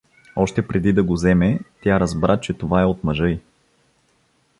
Още преди да го земе, тя разбра, че това е от мъжа й.